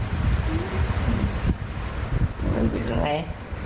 มันเป็นไง